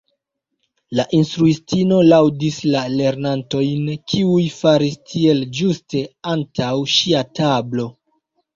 La instruistino laŭdis la lernantojn kiuj faris tiel ĝuste antaŭ ŝia tablo.